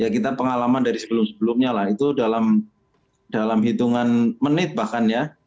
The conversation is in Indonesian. kita pengalaman dari sebelum sebelumnya lah itu dalam hitungan menit bahkan ya